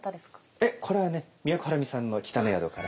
えっこれはね都はるみさんの「北の宿から」。